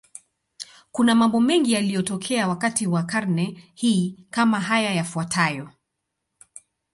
Kuna mambo mengi yaliyotokea wakati wa karne hii, kama haya yafuatayo.